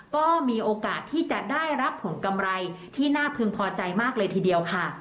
ก็มีโอกาสที่จะได้รับผลกำไรที่น่าพึงพอใจมากเลยทีเดียวค่ะ